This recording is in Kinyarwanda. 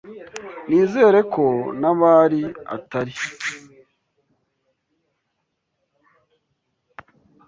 Nizere ko nabari atari.